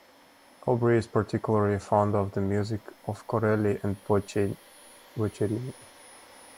Aubrey is particularly fond of the music of Corelli and Boccherini.